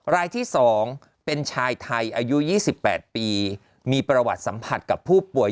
รายที่๒เป็นชายไทยอายุ๒๘ปีมีประวัติสัมผัสกับผู้ป่วย